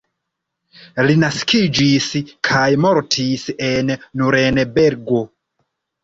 Li naskiĝis kaj mortis en Nurenbergo.